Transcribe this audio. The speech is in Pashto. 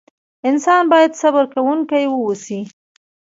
انسان بايد صبر کوونکی واوسئ.